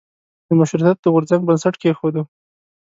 د مشروطیت د غورځنګ بنسټ کېښودیو.